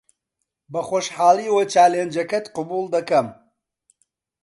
بەخۆشحاڵییەوە چالێنجەکەت قبوڵ دەکەم.